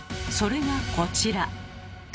それがこちら。